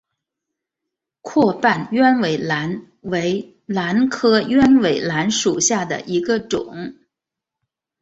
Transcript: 阔瓣鸢尾兰为兰科鸢尾兰属下的一个种。